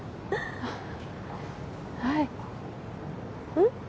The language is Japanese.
はいうん？